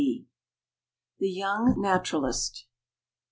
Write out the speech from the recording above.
THE YOUNG NATURALIST.